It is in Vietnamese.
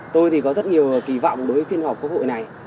tôi thì có rất nhiều kỳ vọng đối với phiên họp quốc hội này